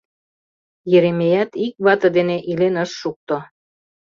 Еремеят ик вате дене илен ыш шукто.